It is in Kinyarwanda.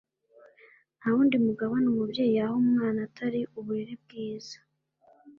ntawundi mugabane umubyeyi yaha umwana Atari uburere bwiza